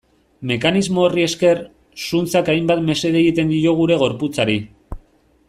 Mekanismo horri esker, zuntzak hainbat mesede egiten dio gure gorputzari.